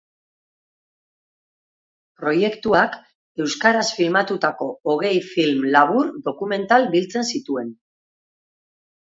Proiektuak euskaraz filmatutako hogei film labur dokumental biltzen zituen.